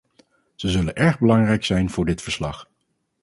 Ze zullen erg belangrijk zijn voor dit verslag.